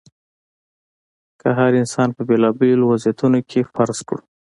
که هر انسان په بېلابېلو وضعیتونو کې فرض کړو.